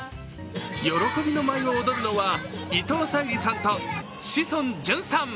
喜びの舞を踊るのは伊藤沙莉さんと志尊淳さん。